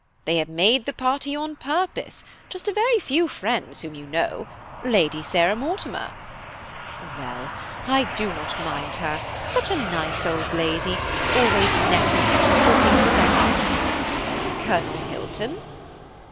They have made the party on purpose–just a very few friends whom you know–Lady Sarah Mortimer." "Well, I do not mind her–such a nice old lady–always netting and talking sense." "Colonel Hilton."